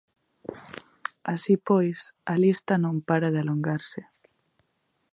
Así pois, a lista non para de alongarse.